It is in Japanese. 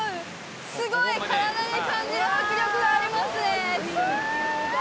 すごい体に感じる迫力がありますね